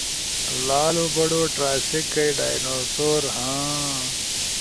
لالو بڑو ٹرائسیک کئی ڈائنو سور، ہاں۔